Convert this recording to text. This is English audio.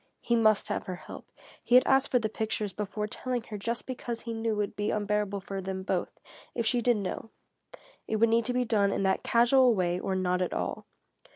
He must have her help. He had asked for the pictures before telling her just because he knew it would be unbearable for them both, if she did know. It would need to be done in that casual way or not at all.